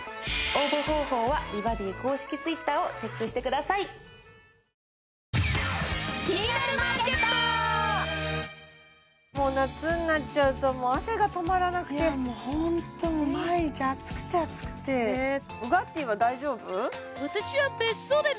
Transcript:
応募方法は「美バディ」公式Ｔｗｉｔｔｅｒをチェックしてくださいもう夏になっちゃうともう汗が止まらなくていやもうホントに毎日暑くて暑くてウガッティーは大丈夫？